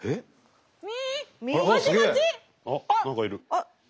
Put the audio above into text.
あっ！